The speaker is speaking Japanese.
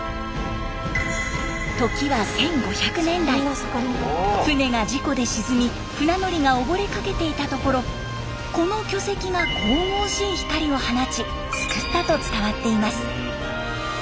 時は１５００年代船が事故で沈み船乗りが溺れかけていたところこの巨石が神々しい光を放ち救ったと伝わっています。